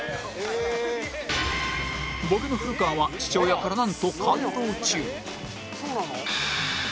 ボケの古川は父親からなんと勘当中